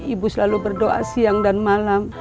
ibu selalu berdoa siang dan malam